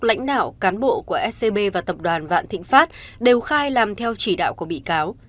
lãnh đạo cán bộ của scb và tập đoàn vạn thịnh pháp đều khai làm theo chỉ đạo của bị cáo